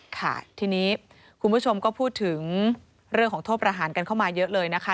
ค่ะทีนี้คุณผู้ชมก็พูดถึงเรื่องของโทษประหารกันเข้ามาเยอะเลยนะคะ